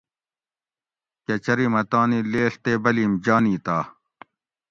کہ چری مہ تانی لیڷ تے بلیم جانی تہ